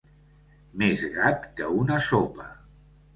Més gat que una sopa.